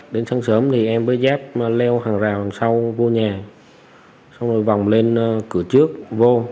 đến sáng sớm thì em với giáp leo hàng rào hằng sau vô nhà xong rồi vòng lên cửa trước vô